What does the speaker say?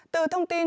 từ thông tin